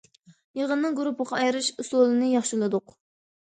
يىغىننىڭ گۇرۇپپىغا ئايرىش ئۇسۇلىنى ياخشىلىدۇق.